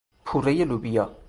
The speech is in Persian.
پورهی لوبیا